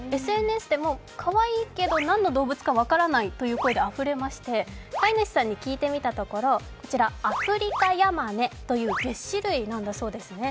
ＳＮＳでもかわいいけど何の動物か分からないという声であふれまして飼い主さんに聞いてみたところ、アフリカヤマネというげっ歯類なんだそうですね。